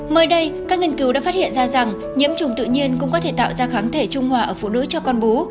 mới đây các nghiên cứu đã phát hiện ra rằng nhiễm trùng tự nhiên cũng có thể tạo ra kháng thể trung hòa ở phụ nữ cho con bú